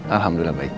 alhamdulillah baik pak